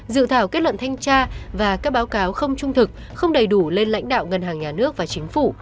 dự thảo kết luận thanh tra và các báo cáo không trung thực không đầy đủ lên lãnh đạo ngân hàng nhà nước và chính phủ